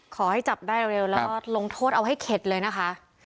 ขอให้จับได้เร็วแล้วก็ลงโทษเอาให้เข็ดเลยนะคะ